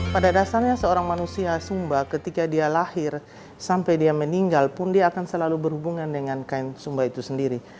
pada dasarnya seorang manusia sumba ketika dia lahir sampai dia meninggal pun dia akan selalu berhubungan dengan kain sumba itu sendiri